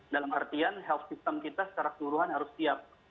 dalam artian health system kita secara keseluruhan harus siap